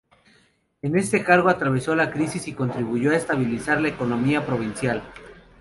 En ese cargo atravesó la crisis y contribuyó a estabilizar la economía provincial.